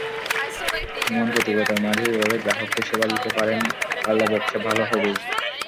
এমন প্রতিকূলতার মাঝেও এভাবে গ্রাহককে সেবা দিতে পারলে ব্যবসা ভালো হবেই।